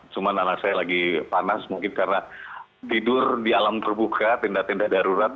cuma anak saya lagi panas mungkin karena tidur di alam terbuka tenda tenda darurat